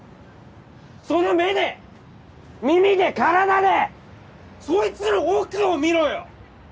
その目で耳で体でそいつの奥を見ろよ！